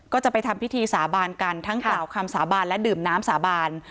ก็จะไปทำพิธีสาบานกันทั้งกล่าวคำสาบานและดื่มน้ำสาบาน